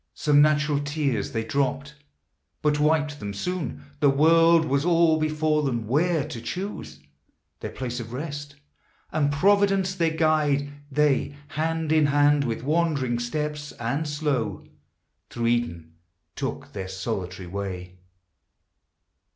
Some natural tears they dropt, but wiped them soon; The world was all before them, where to choose Their place of rest, and Providence their guide. They, hand in hand, with wandering steps and slow, Through Eden took their solitary way.